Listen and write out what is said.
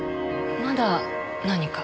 まだ何か？